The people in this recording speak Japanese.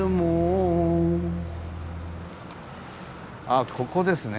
あここですね。